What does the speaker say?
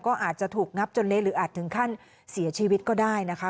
ก็อาจจะถูกงับจนเละหรืออาจถึงขั้นเสียชีวิตก็ได้นะคะ